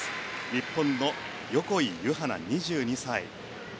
日本の横井ゆは菜、２２歳。